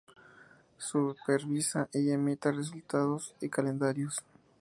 Supervisa y emite resultados y calendarios.